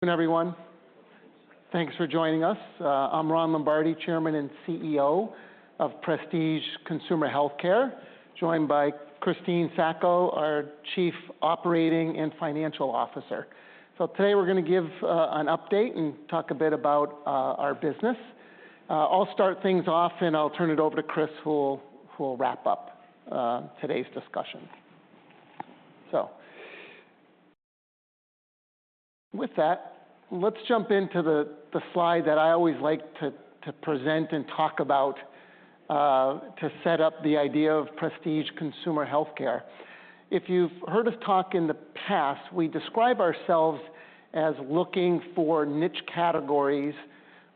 ... Good evening, everyone. Thanks for joining us. I'm Ron Lombardi, Chairman and CEO of Prestige Consumer Healthcare, joined by Christine Sacco, our Chief Operating and Financial Officer. So today, we're gonna give an update and talk a bit about our business. I'll start things off, and I'll turn it over to Chris, who will wrap up today's discussion. So with that, let's jump into the slide that I always like to present and talk about to set up the idea of Prestige Consumer Healthcare. If you've heard us talk in the past, we describe ourselves as looking for niche categories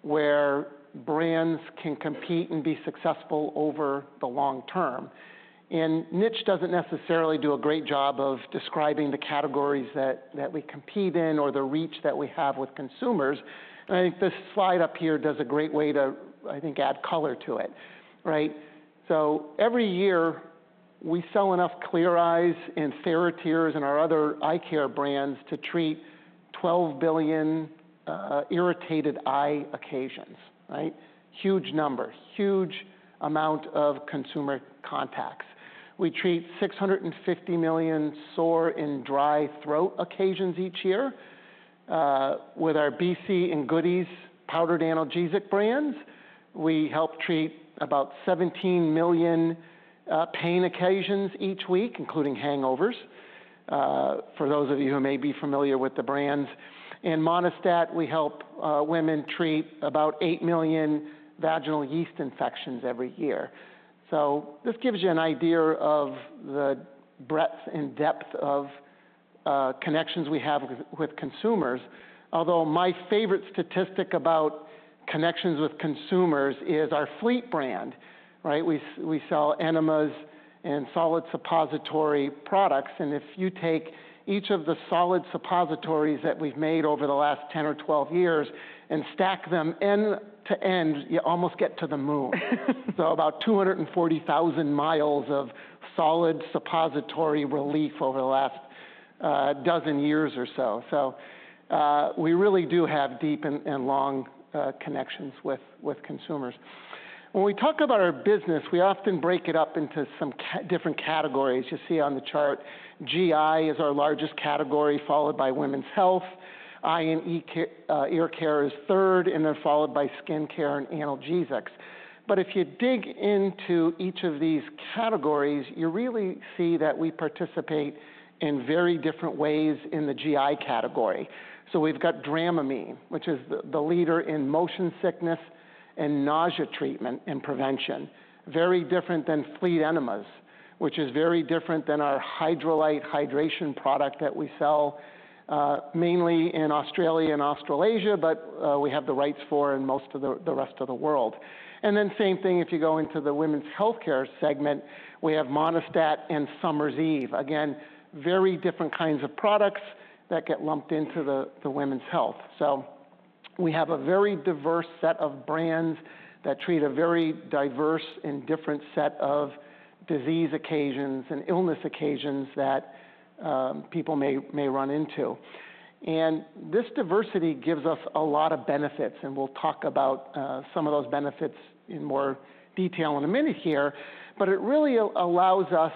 where brands can compete and be successful over the long term. And niche doesn't necessarily do a great job of describing the categories that we compete in or the reach that we have with consumers, and I think this slide up here does a great way to, I think, add color to it, right? So every year, we sell enough Clear Eyes and TheraTears and our other eye care brands to treat 12 billion irritated eye occasions, right? Huge number, huge amount of consumer contacts. We treat 650 million sore and dry throat occasions each year with our BC and Goody's powdered analgesic brands. We help treat about 17 million pain occasions each week, including hangovers, for those of you who may be familiar with the brands. In Monistat, we help women treat about 8 million vaginal yeast infections every year. So this gives you an idea of the breadth and depth of connections we have with consumers. Although my favorite statistic about connections with consumers is our Fleet brand, right? We sell enemas and solid suppository products, and if you take each of the solid suppositories that we've made over the last 10 or 12 years and stack them end to end, you almost get to the moon. So about 240,000 miles of solid suppository relief over the last dozen years or so. So we really do have deep and long connections with consumers. When we talk about our business, we often break it up into some different categories. You see on the chart, GI is our largest category, followed by women's health. Eye and ear care is third, and they're followed by skin care and analgesics. But if you dig into each of these categories, you really see that we participate in very different ways in the GI category. So we've got Dramamine, which is the leader in motion sickness and nausea treatment and prevention, very different than Fleet enemas, which is very different than our Hydralyte hydration product that we sell mainly in Australia and Australasia, but we have the rights for in most of the rest of the world. And then same thing, if you go into the women's healthcare segment, we have Monistat and Summer's Eve. Again, very different kinds of products that get lumped into the women's health. So we have a very diverse set of brands that treat a very diverse and different set of disease occasions and illness occasions that people may run into. And this diversity gives us a lot of benefits, and we'll talk about some of those benefits in more detail in a minute here. But it really allows us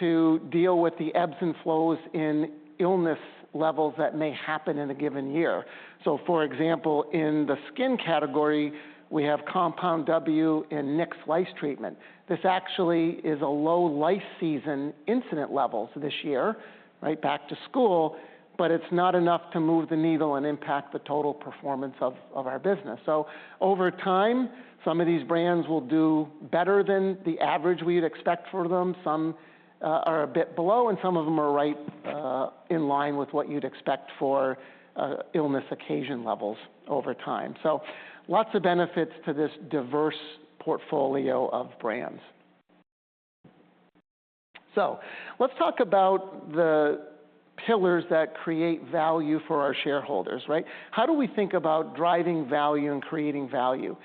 to deal with the ebbs and flows in illness levels that may happen in a given year. So, for example, in the skin category, we have Compound W and Nix Lice Treatment. This actually is a low lice season incidence levels this year, right, back to school, but it's not enough to move the needle and impact the total performance of our business. So over time, some of these brands will do better than the average we'd expect for them, some are a bit below, and some of them are right in line with what you'd expect for illness occasion levels over time. So lots of benefits to this diverse portfolio of brands. So let's talk about the pillars that create value for our shareholders, right? How do we think about driving value and creating value?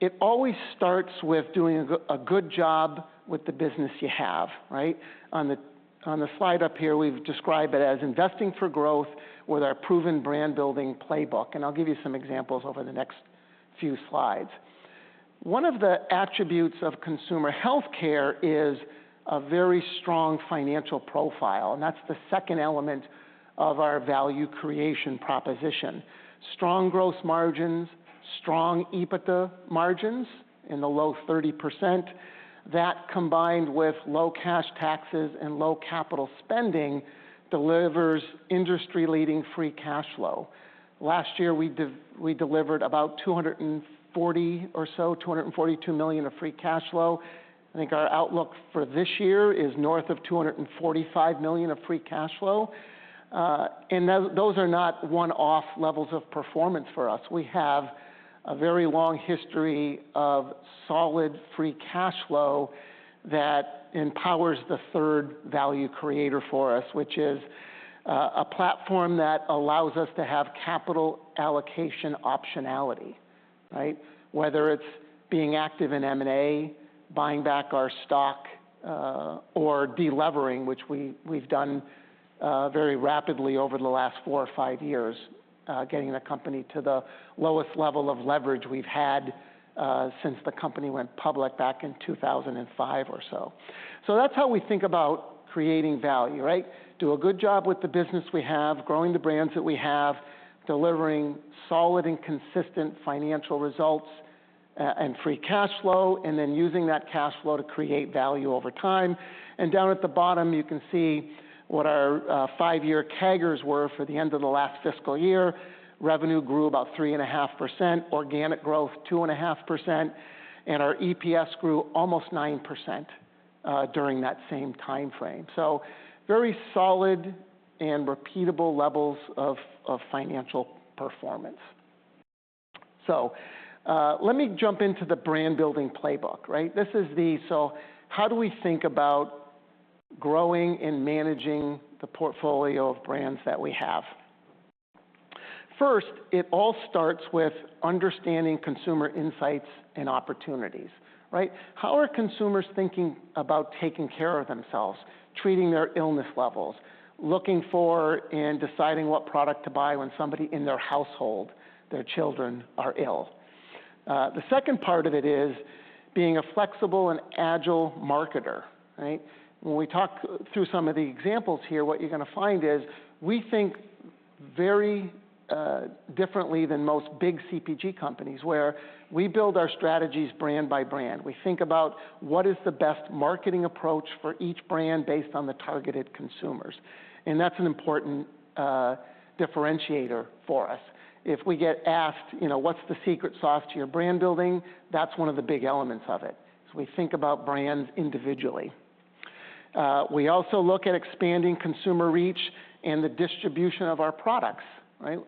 It always starts with doing a good job with the business you have, right? On the slide up here, we've described it as investing for growth with our proven brand building playbook, and I'll give you some examples over the next few slides. One of the attributes of consumer healthcare is a very strong financial profile, and that's the second element of our value creation proposition. Strong gross margins, strong EBITDA margins in the low 30%. That, combined with low cash taxes and low capital spending, delivers industry-leading free cash flow. Last year, we delivered about 240 or so, $242 million of free cash flow. I think our outlook for this year is north of $245 million of free cash flow, and those are not one-off levels of performance for us. We have a very long history of solid free cash flow that empowers the third value creator for us, which is a platform that allows us to have capital allocation optionality.... Right? Whether it's being active in M&A, buying back our stock, or de-leveraging, which we've done very rapidly over the last four or five years, getting the company to the lowest level of leverage we've had since the company went public back in 2005 or so. So that's how we think about creating value, right? Do a good job with the business we have, growing the brands that we have, delivering solid and consistent financial results, and free cash flow, and then using that cash flow to create value over time. And down at the bottom, you can see what our five-year CAGRs were for the end of the last fiscal year. Revenue grew about three and a half %, organic growth two and a half %, and our EPS grew almost 9%, during that same timeframe. So very solid and repeatable levels of financial performance. So, let me jump into the brand building playbook, right? So how do we think about growing and managing the portfolio of brands that we have? First, it all starts with understanding consumer insights and opportunities, right? How are consumers thinking about taking care of themselves, treating their illness levels, looking for and deciding what product to buy when somebody in their household, their children, are ill? The second part of it is being a flexible and agile marketer, right? When we talk through some of the examples here, what you're gonna find is, we think very differently than most big CPG companies, where we build our strategies brand by brand. We think about what is the best marketing approach for each brand based on the targeted consumers, and that's an important differentiator for us. If we get asked, you know, "What's the secret sauce to your brand building?" That's one of the big elements of it, is we think about brands individually. We also look at expanding consumer reach and the distribution of our products, right?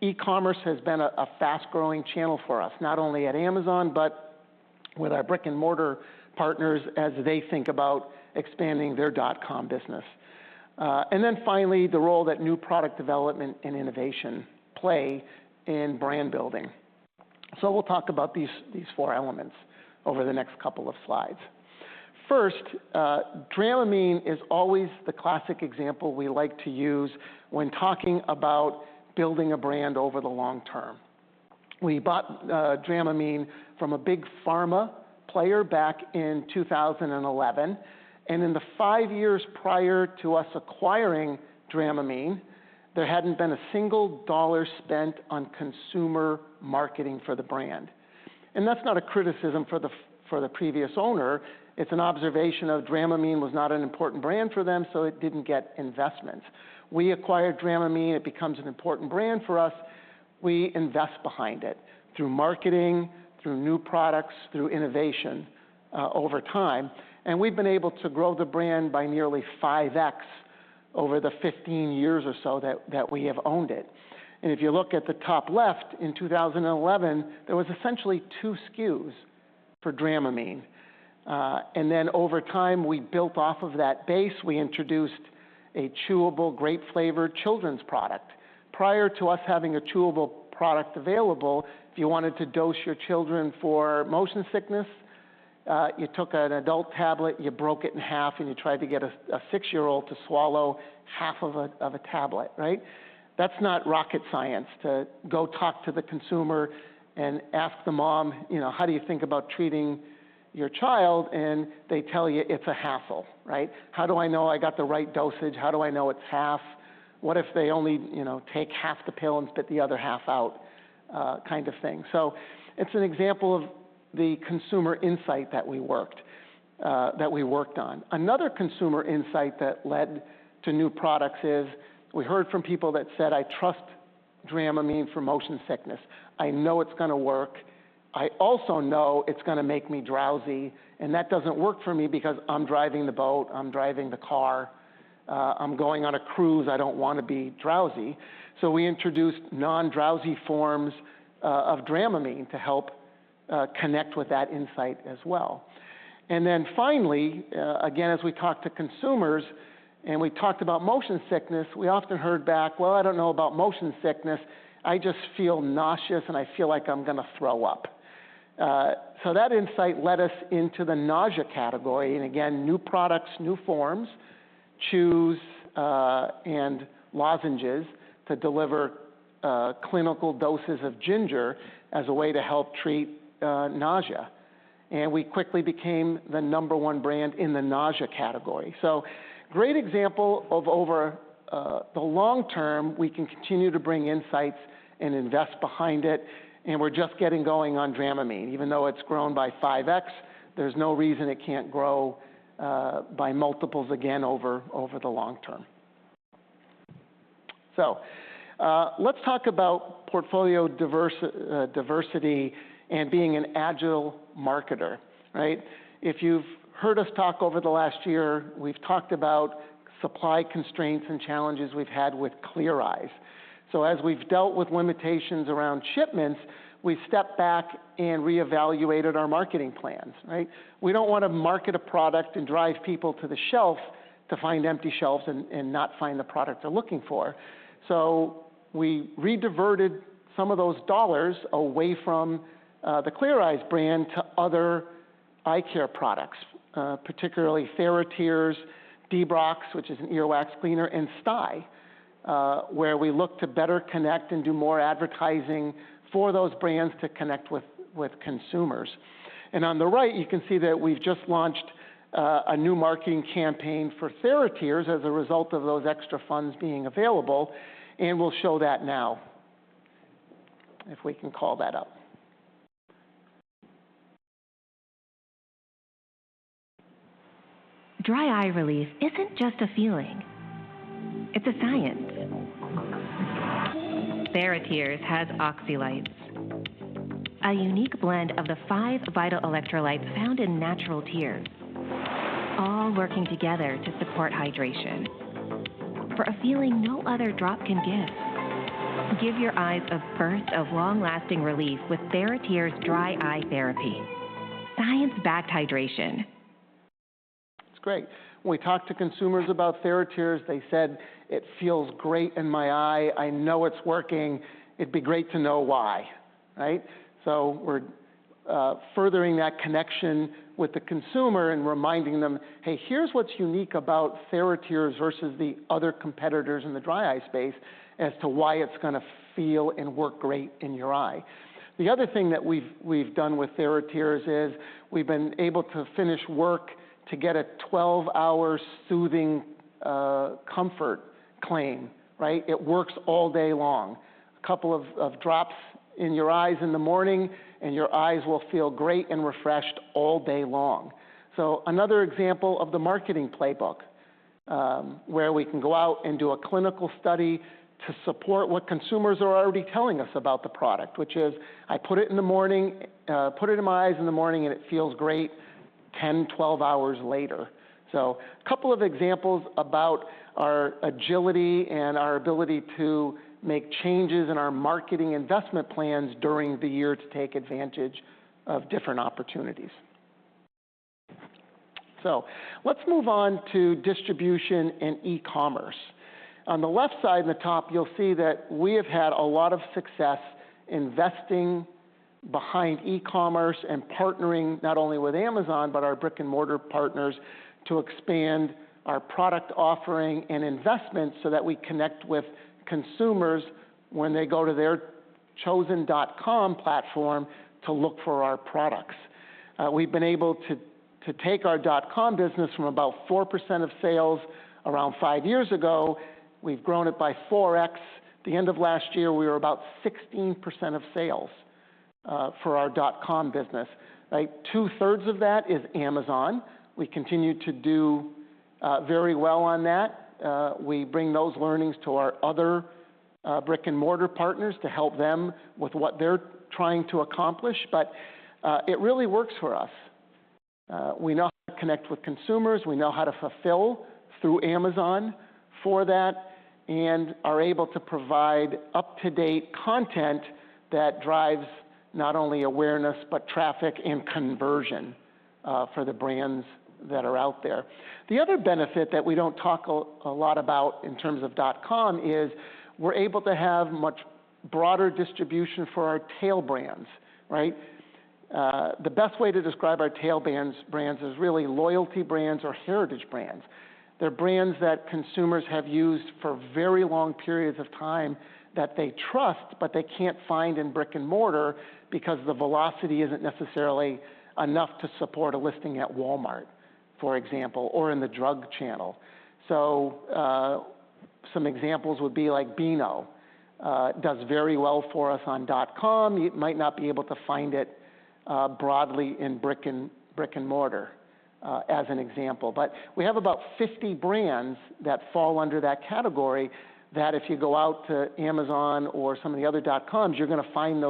E-commerce has been a fast-growing channel for us, not only at Amazon, but with our brick-and-mortar partners as they think about expanding their .com business. And then finally, the role that new product development and innovation play in brand building. So we'll talk about these four elements over the next couple of slides. First, Dramamine is always the classic example we like to use when talking about building a brand over the long term. We bought Dramamine from a big pharma player back in 2011, and in the five years prior to us acquiring Dramamine, there hadn't been a single dollar spent on consumer marketing for the brand, and that's not a criticism for the previous owner. It's an observation of Dramamine was not an important brand for them, so it didn't get investments. We acquired Dramamine, it becomes an important brand for us, we invest behind it through marketing, through new products, through innovation, over time, and we've been able to grow the brand by nearly five X over the 15 years or so that we have owned it, and if you look at the top left, in 2011, there was essentially two SKUs for Dramamine, and then over time, we built off of that base. We introduced a chewable, grape-flavored children's product. Prior to us having a chewable product available, if you wanted to dose your children for motion sickness, you took an adult tablet, you broke it in half, and you tried to get a six-year-old to swallow half of a tablet, right? That's not rocket science, to go talk to the consumer and ask the mom, you know, "How do you think about treating your child?" And they tell you, "It's a hassle," right? "How do I know I got the right dosage? How do I know it's half? What if they only, you know, take half the pill and spit the other half out?" Kind of thing. So it's an example of the consumer insight that we worked on. Another consumer insight that led to new products is, we heard from people that said, "I trust Dramamine for motion sickness. I know it's gonna work. I also know it's gonna make me drowsy, and that doesn't work for me because I'm driving the boat, I'm driving the car, I'm going on a cruise. I don't want to be drowsy." So we introduced non-drowsy forms of Dramamine to help connect with that insight as well. And then finally, again, as we talked to consumers, and we talked about motion sickness, we often heard back, "Well, I don't know about motion sickness. I just feel nauseous, and I feel like I'm gonna throw up." So that insight led us into the nausea category, and again, new products, new forms, chews, and lozenges to deliver clinical doses of ginger as a way to help treat nausea. And we quickly became the number one brand in the nausea category. So great example of over the long term, we can continue to bring insights and invest behind it, and we're just getting going on Dramamine. Even though it's grown by five X, there's no reason it can't grow by multiples again over the long term. So let's talk about portfolio diversity and being an agile marketer, right? If you've heard us talk over the last year, we've talked about supply constraints and challenges we've had with Clear Eyes. So as we've dealt with limitations around shipments, we've stepped back and reevaluated our marketing plans, right? We don't want to market a product and drive people to the shelf to find empty shelves and not find the product they're looking for. So we rediverted some of those dollars away from the Clear Eyes brand to other eye care products, particularly TheraTears, Debrox, which is an earwax cleaner, and Stye, where we look to better connect and do more advertising for those brands to connect with consumers. And on the right, you can see that we've just launched a new marketing campaign for TheraTears as a result of those extra funds being available, and we'll show that now, if we can call that up. Dry eye relief isn't just a feeling, it's a science. TheraTears has OxyLytes, a unique blend of the five vital electrolytes found in natural tears, all working together to support hydration. For a feeling no other drop can give, give your eyes a burst of long-lasting relief with TheraTears Dry Eye Therapy. Science-backed hydration. It's great. When we talked to consumers about TheraTears, they said, "It feels great in my eye. I know it's working. It'd be great to know why." Right? So we're furthering that connection with the consumer and reminding them, "Hey, here's what's unique about TheraTears versus the other competitors in the dry eye space as to why it's gonna feel and work great in your eye." The other thing that we've done with TheraTears is, we've been able to finish work to get a twelve-hour soothing comfort claim, right? It works all day long. A couple of drops in your eyes in the morning, and your eyes will feel great and refreshed all day long. So another example of the marketing playbook, where we can go out and do a clinical study to support what consumers are already telling us about the product, which is, "I put it in the morning, put it in my eyes in the morning, and it feels great 10, 12 hours later." So a couple of examples about our agility and our ability to make changes in our marketing investment plans during the year to take advantage of different opportunities. So let's move on to distribution and e-commerce. On the left side, in the top, you'll see that we have had a lot of success investing behind e-commerce and partnering not only with Amazon, but our brick-and-mortar partners, to expand our product offering and investments so that we connect with consumers when they go to their chosen dot-com platform to look for our products. We've been able to take our dot-com business from about 4% of sales around five years ago. We've grown it by 4X. At the end of last year, we were about 16% of sales for our dot-com business, right? Two-thirds of that is Amazon. We continue to do very well on that. We bring those learnings to our other brick-and-mortar partners to help them with what they're trying to accomplish, but it really works for us. We know how to connect with consumers. We know how to fulfill through Amazon for that, and are able to provide up-to-date content that drives not only awareness, but traffic and conversion for the brands that are out there. The other benefit that we don't talk a lot about in terms of dot-com is, we're able to have much broader distribution for our tail brands, right? The best way to describe our tail bands, brands is really loyalty brands or heritage brands. They're brands that consumers have used for very long periods of time, that they trust, but they can't find in brick-and-mortar because the velocity isn't necessarily enough to support a listing at Walmart, for example, or in the drug channel. So, some examples would be like Beano, does very well for us on dot-com. You might not be able to find it broadly in brick-and-mortar, as an example. But we have about fifty brands that fall under that category, that if you go out to Amazon or some of the other dot-coms, you're gonna find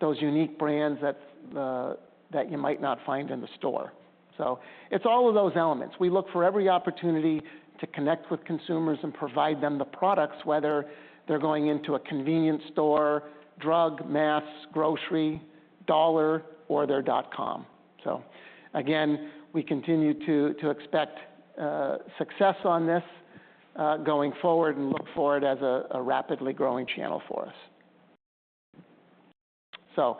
those unique brands that you might not find in the store. So it's all of those elements. We look for every opportunity to connect with consumers and provide them the products, whether they're going into a convenience store, drug, mass, grocery, dollar, or they're dot-com. So again, we continue to expect success on this going forward and look forward as a rapidly growing channel for us. So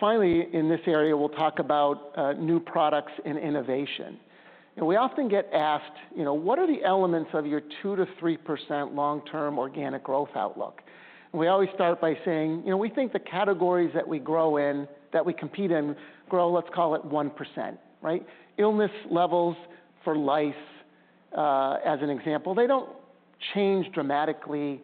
finally, in this area, we'll talk about new products and innovation. And we often get asked, "You know, what are the elements of your 2%-3% long-term organic growth outlook?" And we always start by saying, "You know, we think the categories that we grow in, that we compete in, grow, let's call it 1%," right? Illness levels for lice, as an example, they don't change dramatically,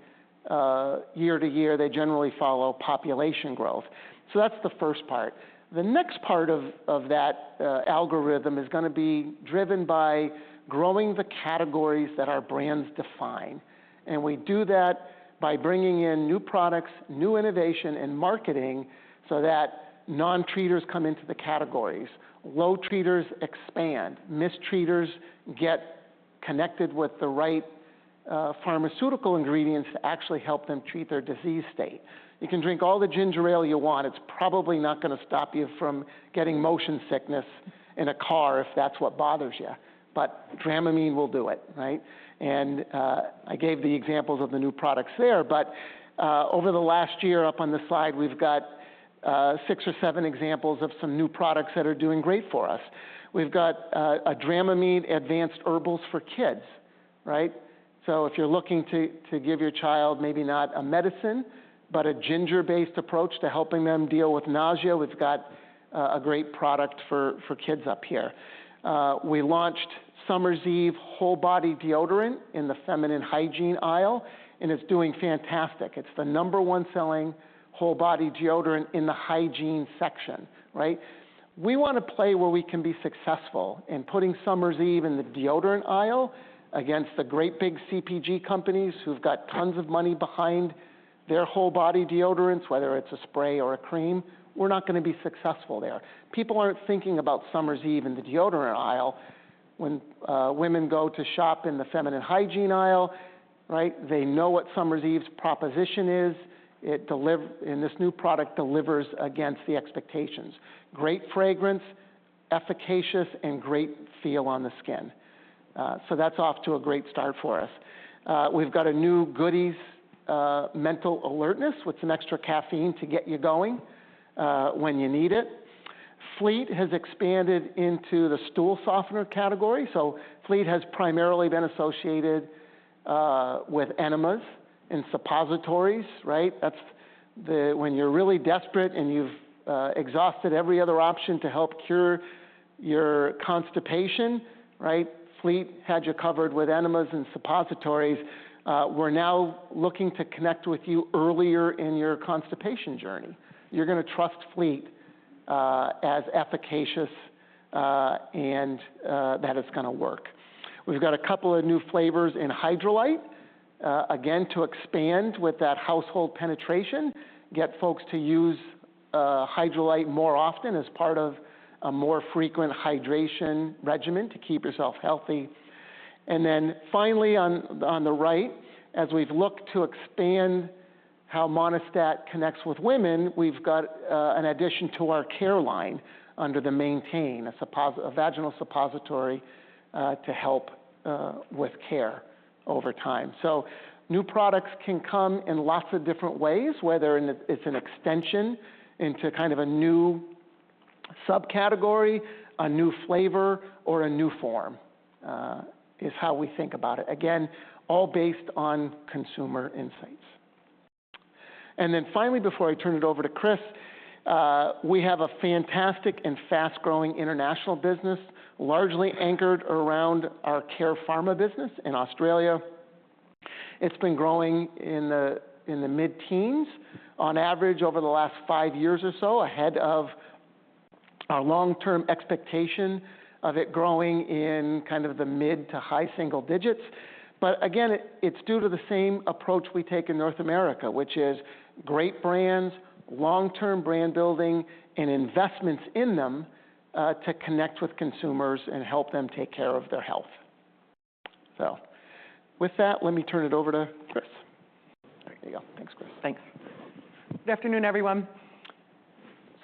year to year. They generally follow population growth. So that's the first part. The next part of that algorithm is gonna be driven by growing the categories that our brands define, and we do that by bringing in new products, new innovation, and marketing so that non-treaters come into the categories, low treaters expand, mistreaters get connected with the right pharmaceutical ingredients to actually help them treat their disease state. You can drink all the ginger ale you want, it's probably not gonna stop you from getting motion sickness in a car if that's what bothers you, but Dramamine will do it, right, and I gave the examples of the new products there, but over the last year, up on the slide, we've got six or seven examples of some new products that are doing great for us. We've got a Dramamine Advanced Herbals for Kids, right? So if you're looking to give your child maybe not a medicine, but a ginger-based approach to helping them deal with nausea, we've got a great product for kids up here. We launched Summer's Eve Whole Body Deodorant in the feminine hygiene aisle, and it's doing fantastic. It's the number one selling whole body deodorant in the hygiene section, right? We wanna play where we can be successful, and putting Summer's Eve in the deodorant aisle against the great big CPG companies who've got tons of money behind their whole body deodorants, whether it's a spray or a cream, we're not gonna be successful there. People aren't thinking about Summer's Eve in the deodorant aisle when women go to shop in the feminine hygiene aisle, right? They know what Summer's Eve's proposition is. It delivers and this new product delivers against the expectations. Great fragrance, efficacious, and great feel on the skin. So that's off to a great start for us. We've got a new Goody's Mental Alertness with some extra caffeine to get you going when you need it. Fleet has expanded into the stool softener category, so Fleet has primarily been associated with enemas and suppositories, right? That's the... When you're really desperate, and you've exhausted every other option to help cure your constipation, right, Fleet had you covered with enemas and suppositories. We're now looking to connect with you earlier in your constipation journey. You're gonna trust Fleet as efficacious, and that it's gonna work. We've got a couple of new flavors in Hydralyte, again, to expand with that household penetration, get folks to use Hydralyte more often as part of a more frequent hydration regimen to keep yourself healthy. And then finally, on the right, as we've looked to expand how Monistat connects with women, we've got an addition to our care line under the Maintain, a vaginal suppository to help with care over time. So new products can come in lots of different ways, whether it's an extension into kind of a new subcategory, a new flavor, or a new form, is how we think about it. Again, all based on consumer insights. And then finally, before I turn it over to Chris, we have a fantastic and fast-growing international business, largely anchored around our Care Pharma business in Australia. It's been growing in the mid-teens, on average over the last five years or so, ahead of our long-term expectation of it growing in kind of the mid to high single digits. But again, it's due to the same approach we take in North America, which is great brands, long-term brand building, and investments in them, to connect with consumers and help them take care of their health. So with that, let me turn it over to Chris. There you go. Thanks, Chris. Thanks. Good afternoon, everyone.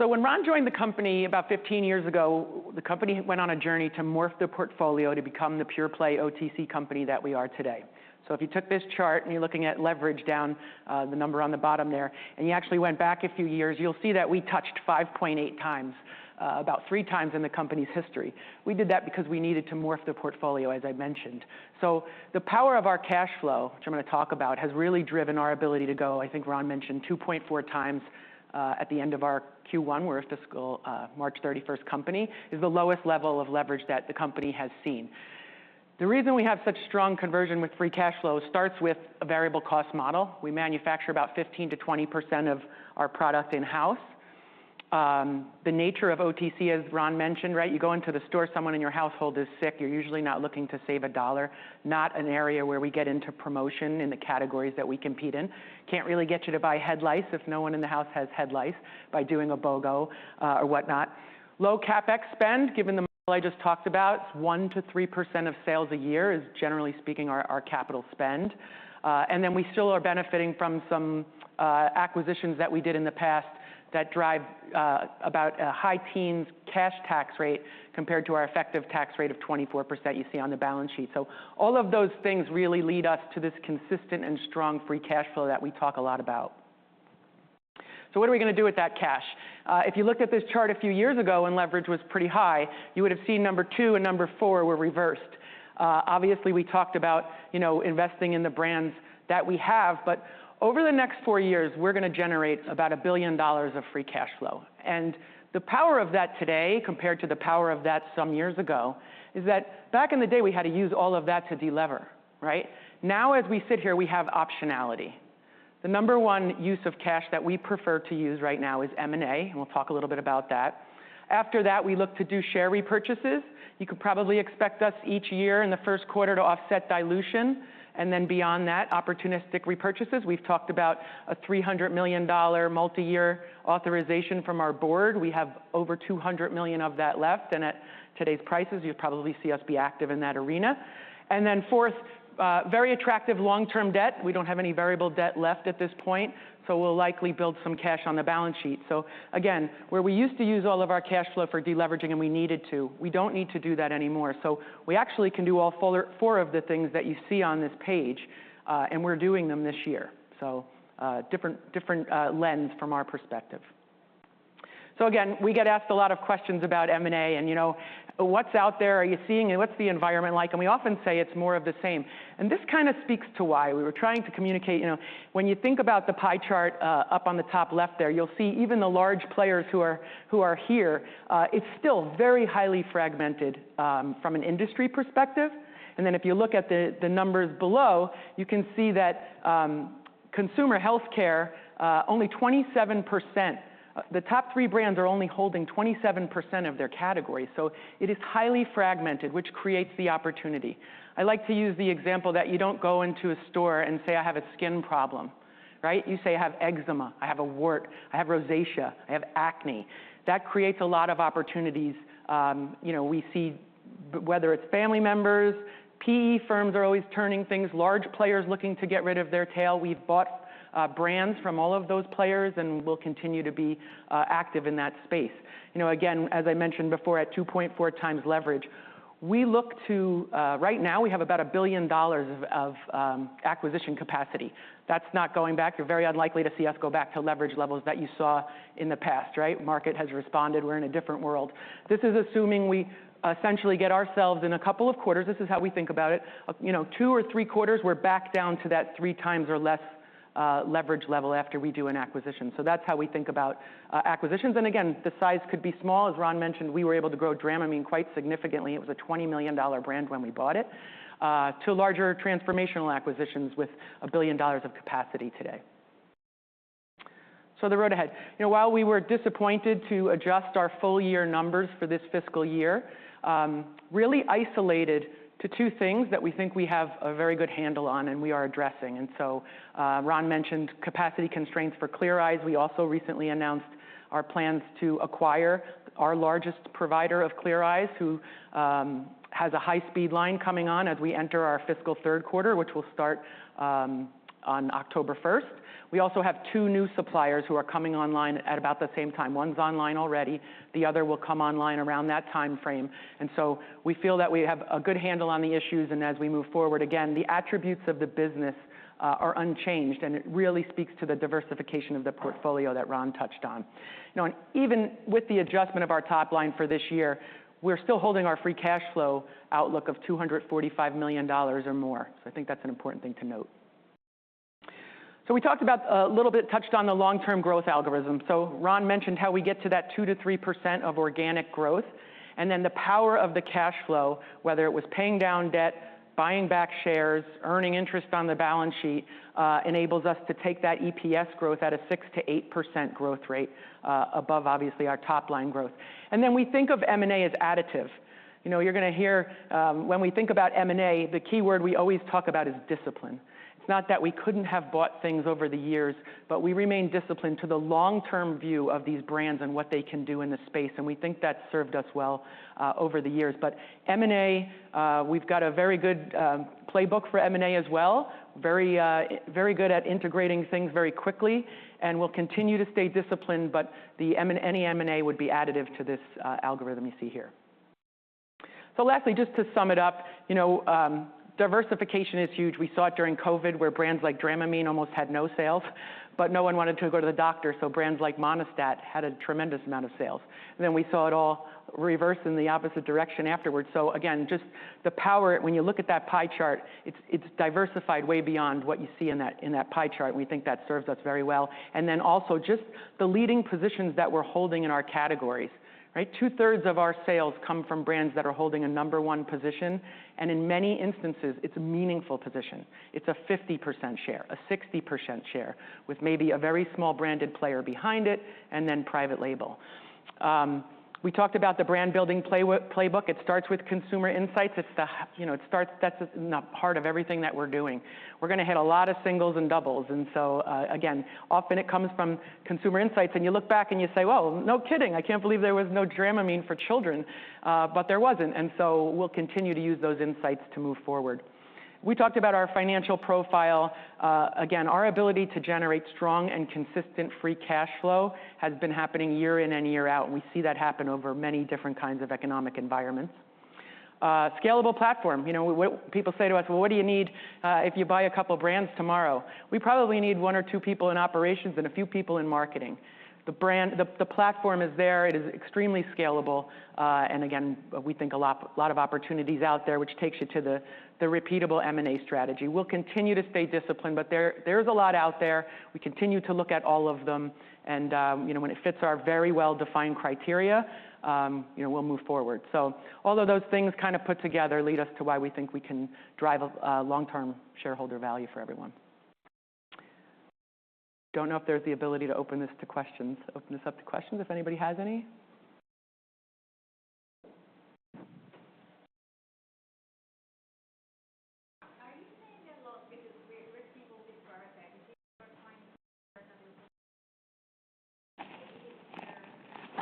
So when Ron joined the company about fifteen years ago, the company went on a journey to morph the portfolio to become the pure-play OTC company that we are today. So if you took this chart, and you're looking at leverage down, the number on the bottom there, and you actually went back a few years, you'll see that we touched five point eight times about three times in the company's history. We did that because we needed to morph the portfolio, as I mentioned. So the power of our cash flow, which I'm gonna talk about, has really driven our ability to go. I think Ron mentioned two point four times at the end of our Q1. We're a fiscal March 31st company. [This] is the lowest level of leverage that the company has seen. The reason we have such strong conversion with free cash flow starts with a variable cost model. We manufacture about 15%-20% of our product in-house. The nature of OTC, as Ron mentioned, right? You go into the store, someone in your household is sick, you're usually not looking to save a dollar. Not an area where we get into promotion in the categories that we compete in. Can't really get you to buy head lice if no one in the house has head lice by doing a BOGO, or whatnot. Low CapEx spend, given the model I just talked about, 1%-3% of sales a year is, generally speaking, our capital spend. And then we still are benefiting from some acquisitions that we did in the past that drive about a high teens cash tax rate compared to our effective tax rate of 24% you see on the balance sheet. So all of those things really lead us to this consistent and strong free cash flow that we talk a lot about. So what are we gonna do with that cash? If you looked at this chart a few years ago when leverage was pretty high, you would've seen number two and number four were reversed. Obviously, we talked about, you know, investing in the brands that we have, but over the next four years, we're gonna generate about $1 billion of free cash flow. And the power of that today, compared to the power of that some years ago, is that back in the day, we had to use all of that to delever, right? Now, as we sit here, we have optionality. The number one use of cash that we prefer to use right now is M&A, and we'll talk a little bit about that. After that, we look to do share repurchases. You could probably expect us each year in the first quarter to offset dilution, and then beyond that, opportunistic repurchases. We've talked about a $300 million multi-year authorization from our board. We have over $200 million of that left, and at today's prices, you'd probably see us be active in that arena. And then fourth, very attractive long-term debt. We don't have any variable debt left at this point, so we'll likely build some cash on the balance sheet. So again, where we used to use all of our cash flow for de-leveraging, and we needed to, we don't need to do that anymore. So we actually can do all four of the things that you see on this page, and we're doing them this year, so different lens from our perspective. So again, we get asked a lot of questions about M&A, and, you know, "What's out there? Are you seeing it? What's the environment like?" And we often say, it's more of the same. And this kinda speaks to why. We were trying to communicate, you know. When you think about the pie chart up on the top left there, you'll see even the large players who are here, it's still very highly fragmented from an industry perspective. And then if you look at the numbers below, you can see that consumer healthcare only 27%. The top three brands are only holding 27% of their category, so it is highly fragmented, which creates the opportunity. I like to use the example that you don't go into a store and say, "I have a skin problem." Right? You say, "I have eczema, I have a wart, I have rosacea, I have acne." That creates a lot of opportunities. You know, we see, whether it's family members, PE firms are always turning things, large players looking to get rid of their tail. We've bought brands from all of those players, and we'll continue to be active in that space. You know, again, as I mentioned before, at 2.4 times leverage, we look to... Right now, we have about $1 billion of acquisition capacity. That's not going back. You're very unlikely to see us go back to leverage levels that you saw in the past, right? Market has responded. We're in a different world. This is assuming we essentially get ourselves in a couple of quarters. This is how we think about it. You know, two or three quarters, we're back down to that three times or less leverage level after we do an acquisition, so that's how we think about acquisitions. And again, the size could be small. As Ron mentioned, we were able to grow Dramamine quite significantly. It was a $20 million brand when we bought it to larger transformational acquisitions with a $1 billion of capacity today. So the road ahead. You know, while we were disappointed to adjust our full year numbers for this fiscal year, really isolated to two things that we think we have a very good handle on and we are addressing. And so, Ron mentioned capacity constraints for Clear Eyes. We also recently announced our plans to acquire our largest provider of Clear Eyes, who has a high-speed line coming on as we enter our fiscal third quarter, which will start on October first. We also have two new suppliers who are coming online at about the same time. One's online already, the other will come online around that timeframe, and so we feel that we have a good handle on the issues, and as we move forward, again, the attributes of the business are unchanged, and it really speaks to the diversification of the portfolio that Ron touched on, you know, and even with the adjustment of our top line for this year, we're still holding our free cash flow outlook of $245 million or more, so I think that's an important thing to note. We talked about, a little bit, touched on the long-term growth algorithm. Ron mentioned how we get to that 2-3% of organic growth, and then the power of the cash flow, whether it was paying down debt, buying back shares, earning interest on the balance sheet, enables us to take that EPS growth at a 6-8% growth rate, above obviously, our top-line growth. We think of M&A as additive. You know, you're gonna hear... When we think about M&A, the keyword we always talk about is discipline. It's not that we couldn't have bought things over the years, but we remain disciplined to the long-term view of these brands and what they can do in this space, and we think that's served us well, over the years. But M&A, we've got a very good playbook for M&A as well. Very very good at integrating things very quickly, and we'll continue to stay disciplined, but any M&A would be additive to this algorithm you see here. So lastly, just to sum it up, you know, diversification is huge. We saw it during COVID, where brands like Dramamine almost had no sales, but no one wanted to go to the doctor, so brands like Monistat had a tremendous amount of sales. And then we saw it all reverse in the opposite direction afterwards. So again, just the power, when you look at that pie chart, it's diversified way beyond what you see in that pie chart, and we think that serves us very well. And then also, just the leading positions that we're holding in our categories. Right? Two-thirds of our sales come from brands that are holding a number one position, and in many instances, it's a meaningful position. It's a 50% share, a 60% share, with maybe a very small branded player behind it, and then private label. We talked about the brand-building playbook. It starts with consumer insights. You know, that's a part of everything that we're doing. We're gonna hit a lot of singles and doubles, and so, again, often it comes from consumer insights, and you look back and you say, "Well, no kidding! I can't believe there was no Dramamine for children." But there wasn't, and so we'll continue to use those insights to move forward. We talked about our financial profile. Again, our ability to generate strong and consistent free cash flow has been happening year in and year out, and we see that happen over many different kinds of economic environments. Scalable platform. You know, people say to us, "Well, what do you need if you buy a couple of brands tomorrow?" We probably need one or two people in operations and a few people in marketing. The brand, the platform is there. It is extremely scalable. And again, we think a lot of opportunities out there, which takes you to the repeatable M&A strategy. We'll continue to stay disciplined, but there's a lot out there. We continue to look at all of them, and you know, when it fits our very well-defined criteria, you know, we'll move forward. So all of those things kind of put together lead us to why we think we can drive a long-term shareholder value for everyone. Don't know if there's the ability to open this to questions. Open this up to questions, if anybody has any? Are you saying that a lot because we're seeing all these products that you are trying to?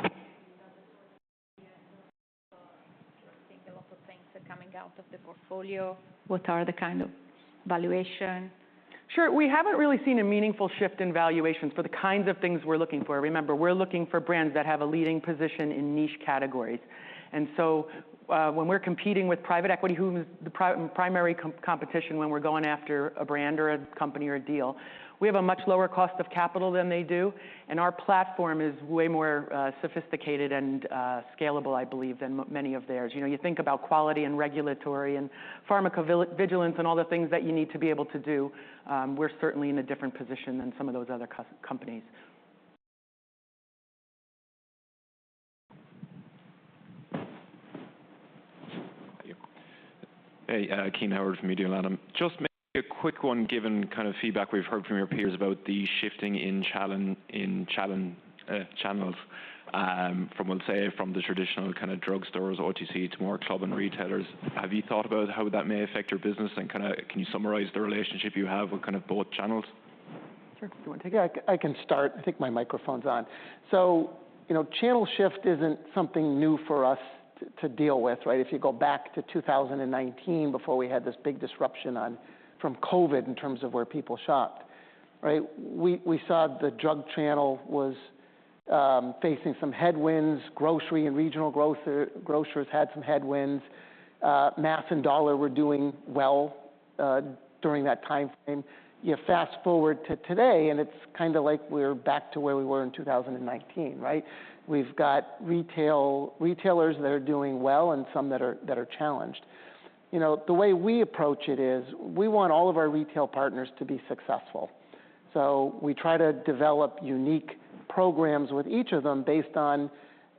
I think a lot of things are coming out of the portfolio. What are the kind of valuation? Sure. We haven't really seen a meaningful shift in valuations for the kinds of things we're looking for. Remember, we're looking for brands that have a leading position in niche categories. And so, when we're competing with private equity, who is the primary competition when we're going after a brand or a company or a deal, we have a much lower cost of capital than they do, and our platform is way more sophisticated and scalable, I believe, than many of theirs. You know, you think about quality and regulatory and pharmacovigilance and all the things that you need to be able to do. We're certainly in a different position than some of those other companies. Hey, Keen Howard from Media Land. Just maybe a quick one, given kind of feedback we've heard from your peers about the shifting in channels, from let's say the traditional kind of drugstores, OTC, to more club and retailers. Have you thought about how that may affect your business, and kinda can you summarize the relationship you have with kind of both channels? Sure. You wanna take it? I can start. I think my microphone's on. So, you know, channel shift isn't something new for us to deal with, right? If you go back to 2019, before we had this big disruption from COVID in terms of where people shopped, right? We saw the drug channel was facing some headwinds. Grocery and regional growth, grocers had some headwinds. Mass and dollar were doing well during that timeframe. You fast-forward to today, and it's kind of like we're back to where we were in 2019, right? We've got retailers that are doing well and some that are challenged. You know, the way we approach it is, we want all of our retail partners to be successful. So we try to develop unique programs with each of them based on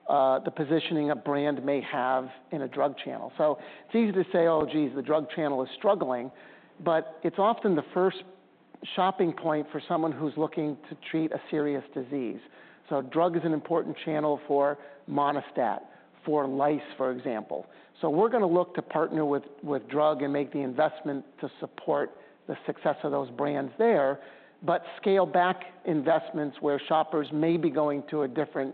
the positioning a brand may have in a drug channel. So it's easy to say, "Oh, geez, the drug channel is struggling," but it's often the first shopping point for someone who's looking to treat a serious disease. So drug is an important channel for Monistat, for lice, for example. So we're gonna look to partner with drug and make the investment to support the success of those brands there, but scale back investments where shoppers may be going to a different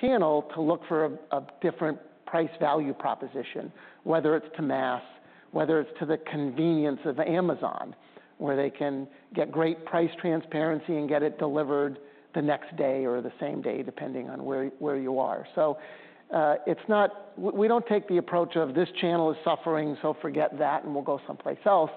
channel to look for a different price value proposition. Whether it's to mass, whether it's to the convenience of Amazon, where they can get great price transparency and get it delivered the next day or the same day, depending on where you are. We don't take the approach of, "This channel is suffering, so forget that, and we'll go someplace else."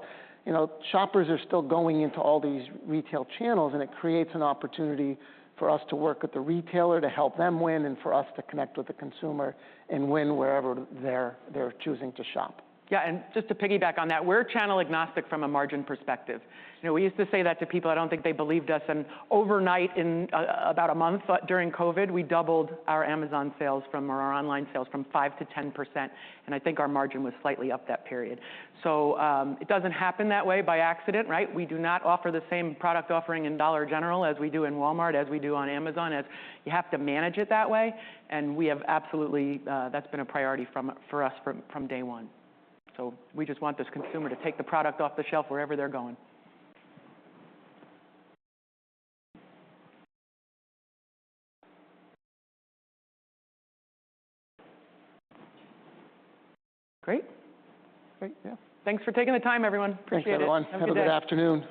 You know, shoppers are still going into all these retail channels, and it creates an opportunity for us to work with the retailer to help them win and for us to connect with the consumer and win wherever they're choosing to shop. Yeah, and just to piggyback on that, we're channel-agnostic from a margin perspective. You know, we used to say that to people, I don't think they believed us, and overnight, in about a month, during COVID, we doubled our Amazon sales from... or our online sales from 5% to 10%, and I think our margin was slightly up that period. So, it doesn't happen that way by accident, right? We do not offer the same product offering in Dollar General, as we do in Walmart, as we do on Amazon, as... You have to manage it that way, and we have absolutely, that's been a priority from, for us from day one. So we just want this consumer to take the product off the shelf wherever they're going. Great. Great, yeah. Thanks for taking the time, everyone. Appreciate it. Thanks, everyone. Have a good day. Have a good afternoon.